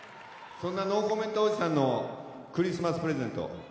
そんなノーコメントおじさんのクリスマスプレゼント。